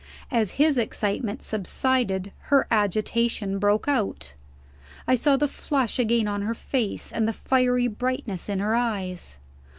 As his excitement subsided, her agitation broke out. I saw the flush again on her face, and the fiery brightness in her eyes.